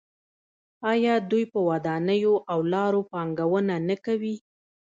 آیا دوی په ودانیو او لارو پانګونه نه کوي؟